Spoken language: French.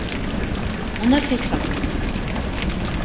On a fait ça.